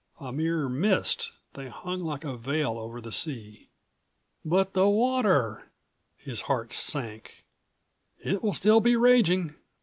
A mere mist, they hung like a veil over the sea. "But the water?" His heart sank. "It will still be raging."